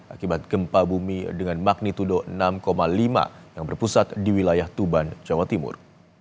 akibat gempa bumi dengan magnitudo enam lima yang berpusat di wilayah tuban jawa timur